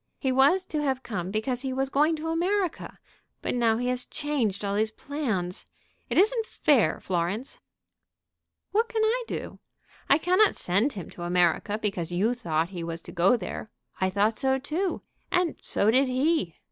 "He was to have come because he was going to America. But now he has changed all his plans. It isn't fair, Florence." "What can I do? I cannot send him to America because you thought he was to go there. I thought so too; and so did he.